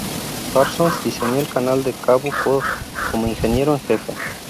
Parsons diseñó el Canal de Cabo Cod, como Ingeniero en Jefe.